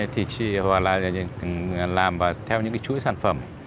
thì chị hoặc là làm theo những cái chuỗi sản phẩm